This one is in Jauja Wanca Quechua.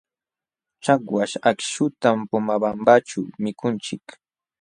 Chakwaśh akśhutam Pomabambaćhu mikunchik.